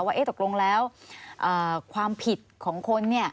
ว่าตกลงแล้วความผิดของคน